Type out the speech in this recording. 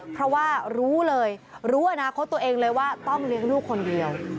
เพราะว่ารู้เลยรู้อนาคตตัวเองเลยว่าต้องเลี้ยงลูกคนเดียว